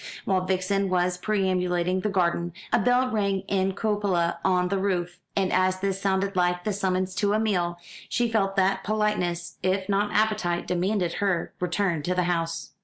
While Vixen was perambulating the garden, a bell rang in a cupola on the roof; and as this sounded like the summons to a meal, she felt that politeness, if not appetite, demanded her return to the house.